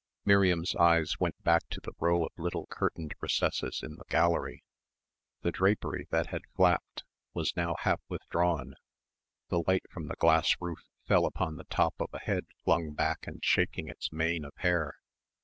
Miriam's eyes went back to the row of little curtained recesses in the gallery. The drapery that had flapped was now half withdrawn, the light from the glass roof fell upon the top of a head flung back and shaking its mane of hair.